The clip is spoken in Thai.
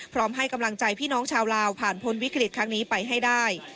ให้กำลังใจพี่น้องชาวลาวผ่านพ้นวิกฤตครั้งนี้ไปให้ได้